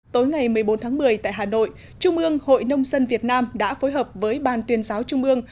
tối ngày một mươi bốn tháng một mươi tại hà nội trung ương hội nông dân việt nam đã phối hợp với ban tuyên giáo trung ương